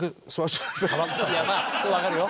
いやまあわかるよ。